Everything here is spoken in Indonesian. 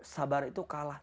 sabar itu kalah